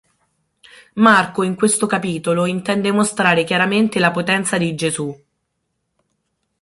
Marco in questo capitolo intende mostrare chiaramente la potenza di Gesù.